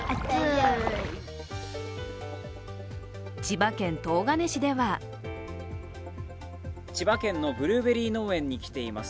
千葉県東金市では千葉県のブルーベリー農園に来ています。